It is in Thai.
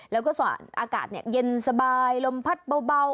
แล้วก็อากาศเย็นสบายลมพัดเบา